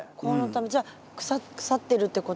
じゃあ腐ってるってことですか？